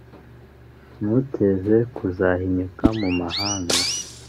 ntuteze kuzahinyuka mu mahanga